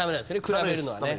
比べるのはね。